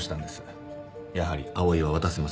やはり碧唯は渡せません。